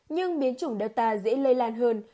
nhưng biến chủng delta dễ lây lan hơn